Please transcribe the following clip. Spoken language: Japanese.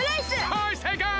はいせいかい！